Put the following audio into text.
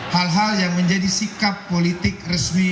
hal hal yang menjadi sikap politik resmi partai demokrasi indonesia perjuangan